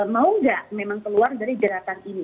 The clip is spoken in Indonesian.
mau nggak memang keluar dari jeratan ini